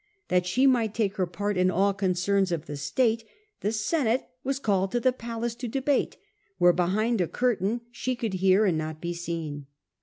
That she might take her part in all concerns of state the Senate was called to the palace to debate, where behind a curtain she could hear and not be seen.